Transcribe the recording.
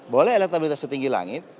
boleh elektabilitas setinggi langit